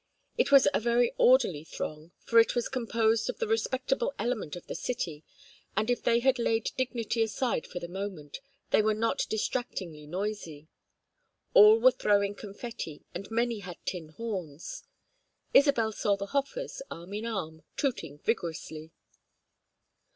It was a very orderly throng, for it was composed of the respectable element of the city, and if they had laid dignity aside for the moment, they were not distractingly noisy. All were throwing confetti, and many had tin horns. Isabel saw the Hofers, arm in arm, tooting vigorously.